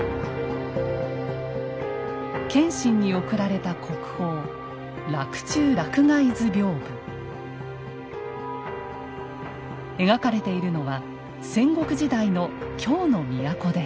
謙信に贈られた国宝描かれているのは戦国時代の京の都です。